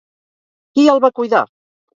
Qui el va cuidar?